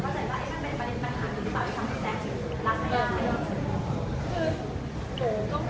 อันนั้นอยากต้องชิดใจว่าหลายคน